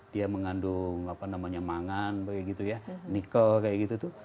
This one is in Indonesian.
dia mengandung apa namanya mangan nikel kayak gitu tuh